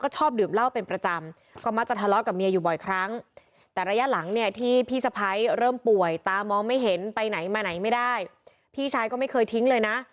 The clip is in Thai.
เธอก็เห็นไปไหนมาไหนไม่ได้พี่ชายก็ไม่เคยทิ้งเลยนะ